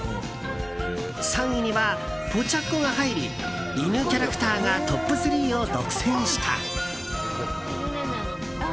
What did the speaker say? ３位にはポチャッコが入り犬キャラクターがトップ３を独占した。